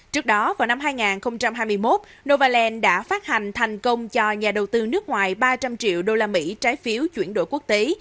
trước đó vào năm hai nghìn hai mươi một novaland đã phát hành thành công cho nhà đầu tư nước ngoài ba trăm linh triệu usd trái phiếu chuyển đổi quốc tế